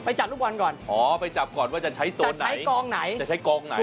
จับลูกบอลก่อนอ๋อไปจับก่อนว่าจะใช้โซนไหนกองไหนจะใช้กองไหน